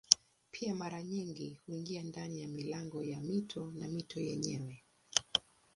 Pia mara nyingi huingia ndani ya milango ya mito na mito yenyewe.